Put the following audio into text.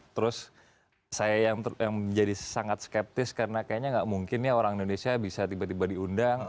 terus saya yang menjadi sangat skeptis karena kayaknya nggak mungkin ya orang indonesia bisa tiba tiba diundang